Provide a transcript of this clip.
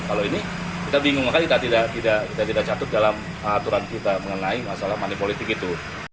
kalau ini kita bingung makanya kita tidak catur dalam aturan kita mengenai masalah manipolitik itu